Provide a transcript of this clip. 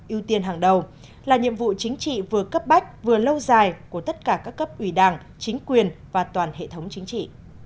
ưu tiên hàng đầu là nhiệm vụ chính trị vừa cấp bách vừa lâu dài của tất cả các cấp ủy đảng chính quyền và toàn hệ thống chính trị